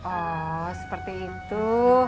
oh seperti itu